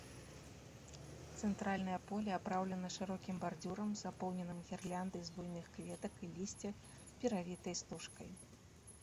Цэнтральнае поле апраўлена шырокім бардзюрам, запоўненым гірляндай з буйных кветак і лісця, перавітай стужкай.